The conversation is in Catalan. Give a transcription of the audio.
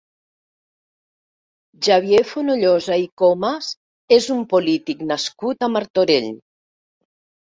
Xavier Fonollosa i Comas és un polític nascut a Martorell.